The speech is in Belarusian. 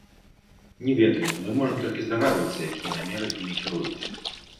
Не ведаю, мы можам толькі здагадвацца, якія намеры імі кіруюць.